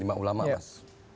jadi mak ulama mas